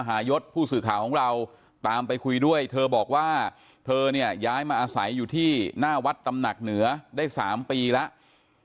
หายศผู้สื่อข่าวของเราตามไปคุยด้วยเธอบอกว่าเธอเนี่ยย้ายมาอาศัยอยู่ที่หน้าวัดตำหนักเหนือได้๓ปีแล้ว